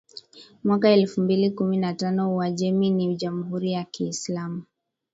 mwaka elfu mbili kumi na tano Uajemi ni Jamhuri ya Kiislamu